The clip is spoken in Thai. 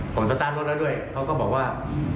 ผมสตาร์ทรถแล้วด้วยเขาก็บอกว่า